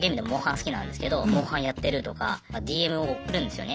好きなんですけど「モンハン」やってるとかＤＭを送るんですよね。